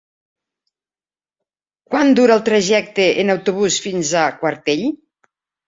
Quant dura el trajecte en autobús fins a Quartell?